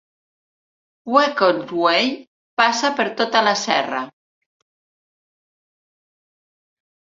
El Beacons Way passa per tota la serra.